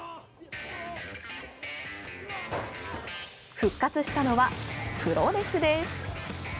復活したのはプロレスです。